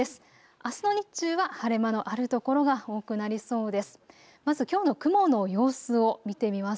あすの日中は晴れ間のあるところが多くなりそうです。